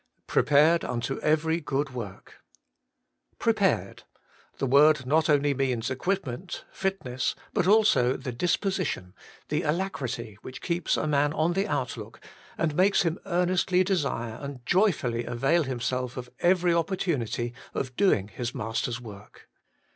'Prepared unto every good work.' Pre pared. The word not only means equip ment, fitness, but also the disposition, the alacrity which keeps a man on the outlook, and makes him earnestly desire and joy fully avail himself of every opportunity of doing his Master's work.